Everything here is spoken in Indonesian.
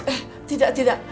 eh tidak tidak